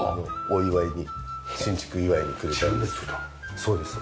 そうです。